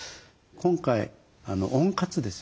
今回温活ですよね。